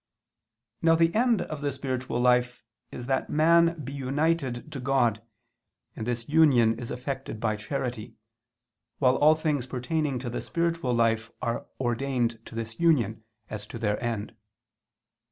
Now the end of the spiritual life is that man be united to God, and this union is effected by charity, while all things pertaining to the spiritual life are ordained to this union, as to their end.